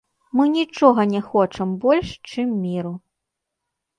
Мы нічога не хочам больш, чым міру.